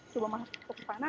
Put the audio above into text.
coba masuk ke mana